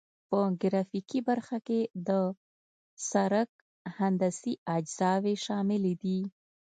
په ګرافیکي برخه کې د سرک هندسي اجزاوې شاملې دي